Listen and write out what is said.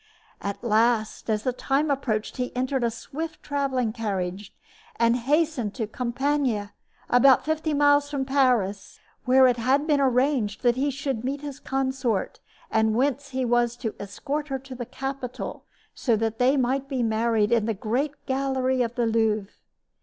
At last as the time approached he entered a swift traveling carriage and hastened to Compiegne, about fifty miles from Paris, where it had been arranged that he should meet his consort and whence he was to escort her to the capital, so that they might be married in the great gallery of the Louvre.